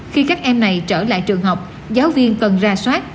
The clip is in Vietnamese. khi các em này trở lại trường học giáo viên cần ra soát